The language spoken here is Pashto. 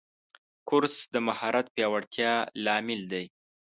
کورس د مهارت پیاوړتیا لامل دی.